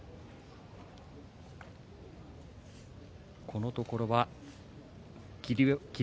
このところは霧